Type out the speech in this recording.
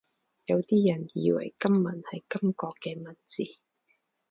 有啲人以為金文係金國嘅文字